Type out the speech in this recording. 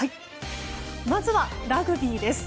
まずはラグビーです。